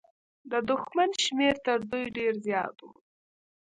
د دښمن شمېر تر دوی ډېر زيات و.